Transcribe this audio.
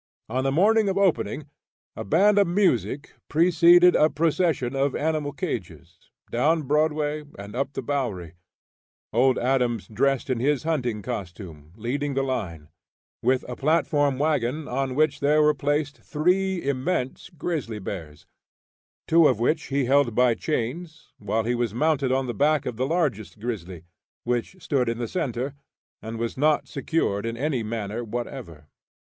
On the morning of opening, a band of music preceded a procession of animal cages, down Broadway and up the Bowery; Old Adams dressed in his hunting costume, heading the line, with a platform wagon on which were placed three immense grizzly bears, two of which he held by chains, while he was mounted on the back of the largest grizzly, which stood in the centre, and was not secured in any manner whatever.